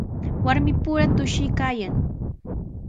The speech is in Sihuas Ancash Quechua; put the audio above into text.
Warmipura tushuykaayan.